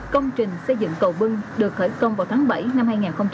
công trình xây dựng cầu bưng được khởi công vào tháng bảy năm hai nghìn một mươi bảy